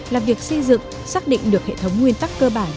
là việc xây dựng xác định được hệ thống nguyên tắc cơ bản